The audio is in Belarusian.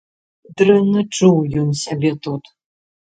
Дрэнна чуў ён сябе тут.